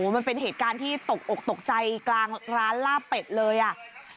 มันเป็นเหตุการณ์ที่ตกอกตกใจกลางร้านลาบเป็ดเลยอ่ะ